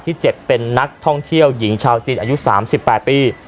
ที่เจ็บเป็นนักท่องเที่ยวหญิงชาวจีนอายุสามสิบแปดปี